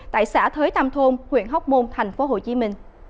tại xã thới tam thôn huyện hóc môn tp hcm